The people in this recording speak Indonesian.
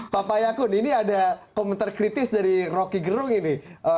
pak payakun ini ada komentar kritis dari rocky gerung ini